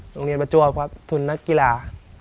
โรงเรียนประจวบครับทุนนักกีฬา